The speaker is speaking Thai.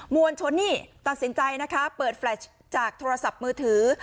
วลชนนี่ตัดสินใจนะคะเปิดแฟลชจากโทรศัพท์มือถือ